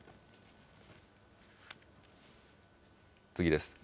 次です。